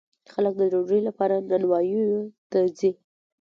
خلک د ډوډۍ لپاره نانواییو ته ځي.